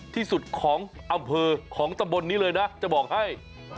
ที่สุดของอำเภอของตำบลนี้เลยนะจะบอกให้